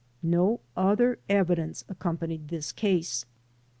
No other evidence accompanied this case.